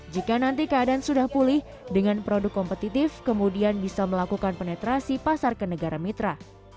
jika nanti keadaan sudah pulih dengan produk kompetitif kemudian bisa melakukan penetrasi pasar ke negara mitra